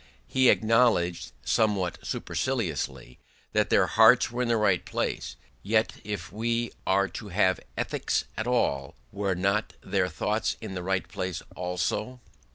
He acknowledged, somewhat superciliously, that their hearts were in the right place; yet, if we are to have ethics at all, were not their thoughts in the right place also?